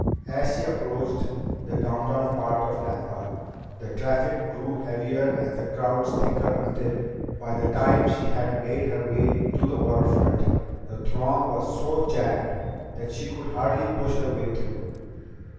As she approached the downtown part of Tampa, the traffic grew heavier and the crowds thicker until, by the time she had made her way to the waterfront, the throng was so jammed that she could hardly push her way through.